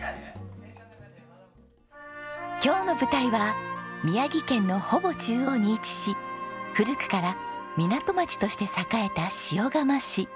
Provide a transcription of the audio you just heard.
今日の舞台は宮城県のほぼ中央に位置し古くから港町として栄えた塩竈市。